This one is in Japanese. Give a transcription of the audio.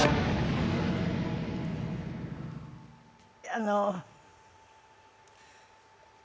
あの。